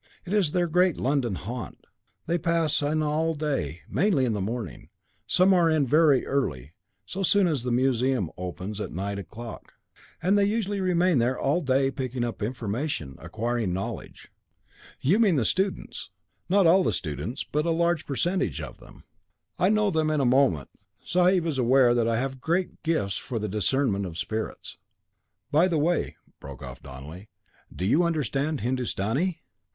It is their great London haunt; they pass in all day, mainly in the morning some are in very early, so soon as the museum is open at nine o'clock. And they usually remain there all day picking up information, acquiring knowledge.' 'You mean the students.' 'Not all the students, but a large percentage of them. I know them in a moment. Sahib is aware that I have great gifts for the discernment of spirits.' "By the way," broke off Donelly, "do you understand Hindustani?"